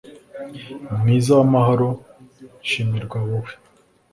mwiza w'amahoro, shimirwa wowe